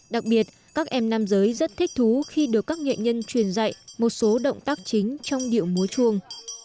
đặc biệt các em nam giới rất thích thú khi được các nghệ nhân truyền dạy một số động tác chính trong điệu múa chuông